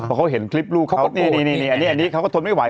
เพราะเขาเห็นคลิปลูกเขานี่นี่นี่อันนี้อันนี้เขาก็ทนไม่ไหว